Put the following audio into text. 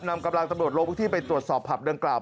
นำกำลังตำรวจลงพื้นที่ไปตรวจสอบผับดังกล่าว